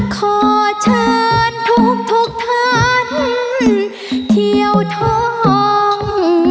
ขอเชิญทุกท่านเที่ยวทอง